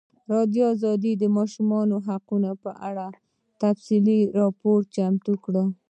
ازادي راډیو د د ماشومانو حقونه په اړه تفصیلي راپور چمتو کړی.